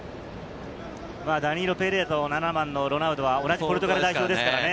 ダニーロ・ペレイラと７番のロナウドは同じポルトガル代表ですからね。